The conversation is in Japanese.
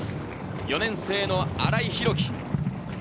４年生の新井大貴。